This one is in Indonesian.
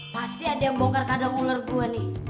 pasti ada yang bongkar kadang ular gua nih